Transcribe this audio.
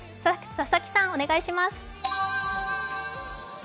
佐々木さん、お願いします。